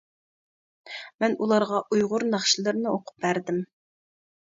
مەن ئۇلارغا ئۇيغۇر ناخشىلىرىنى ئوقۇپ بەردىم.